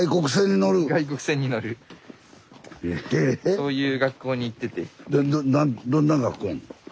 そういう学校に行ってて。